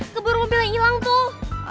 keburu mobil yang hilang tuh